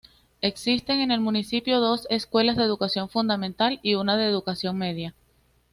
Existen en el municipio dos escuelas de educación fundamental y una de educación media.